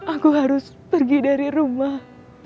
aku harus pergi dari rumah